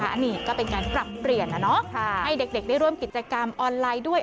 อันนี้ก็เป็นการปรับเปลี่ยนนะเนาะให้เด็กได้ร่วมกิจกรรมออนไลน์ด้วย